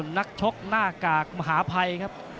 นักมวยจอมคำหวังเว่เลยนะครับ